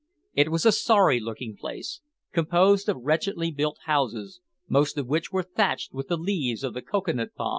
It was a sorry looking place, composed of wretchedly built houses, most of which were thatched with the leaves of the cocoa nut palm.